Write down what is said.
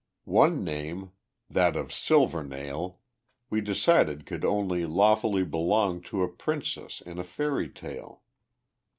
One name, that of "Silvernail," we decided could only lawfully belong to a princess in a fairy tale.